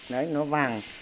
đấy nó vàng